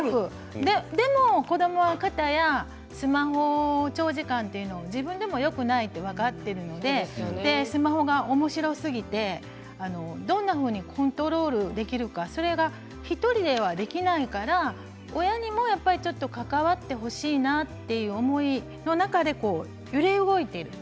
でも子どもはかたやスマホを長時間ということは自分でもよくないと分かっていてスマホがおもしろすぎてどんなふうにコントロールできるかそれは１人ではできないから親にもやっぱり関わってほしいなというふうに思いの中で揺れ動いている。